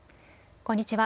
こんにちは。